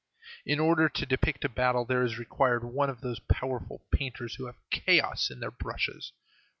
In order to depict a battle, there is required one of those powerful painters who have chaos in their brushes.